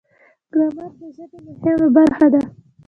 ګرامر د ژبې مهمه برخه ده.